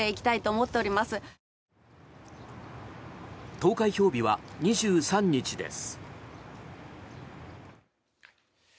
投開票日は２３日です。